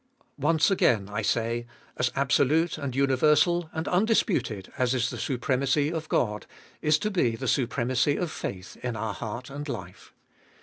Once again I say: As absolute and universal and un disputed as is the supremacy of God, is to be the supremacy of faith in our heart and life.